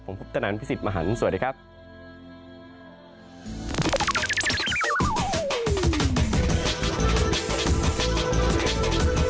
ผมพุทธนันพี่สิทธิ์มหันฯสวัสดีครับ